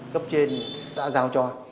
cấp trên đã giao cho